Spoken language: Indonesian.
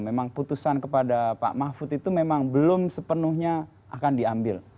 memang putusan kepada pak mahfud itu memang belum sepenuhnya akan diambil